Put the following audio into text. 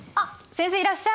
先生いらっしゃい。